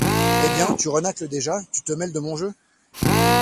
Eh bien! tu renâcles déjà ! tu te mêles de mon jeu !